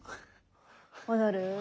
戻る。